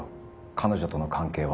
彼女との関係は。